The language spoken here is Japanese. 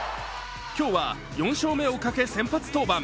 今日は４勝目をかけ先発登板。